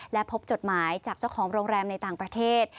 และพบจดหมายจากเจ้าของโรงแรมในต่างประเทศ